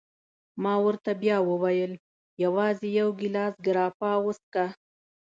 ما ورته بیا وویل: یوازي یو ګیلاس ګراپا وڅېښه.